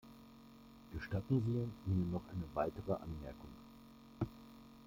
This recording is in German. Gestatten Sie mir noch eine weitere Anmerkung.